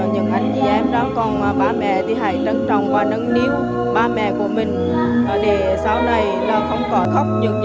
những anh chị em đó còn bà mẹ thì hãy trân trọng và nâng niu bà mẹ của mình